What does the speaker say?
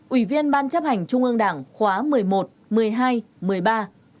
ủy viên ban chấp hành trung ương đảng khóa một mươi một một mươi hai một mươi ba